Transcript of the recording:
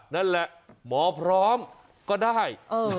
นั่นแหละหมอพร้อมก็ได้